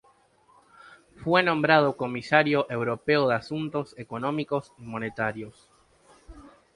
Fue nombrado Comisario Europeo de Asuntos Económicos y Monetarios.